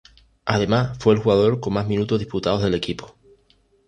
Además, fue el jugador con más minutos disputados del equipo.